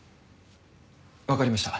わかりました。